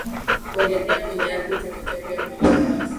kuelekea kwenye ardhi chepechepe ya Malagarasi